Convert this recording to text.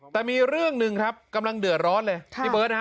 แต่มีเรื่องหนึ่งครับกำลังเดือดร้อนเลยพี่เบิร์ตนะฮะ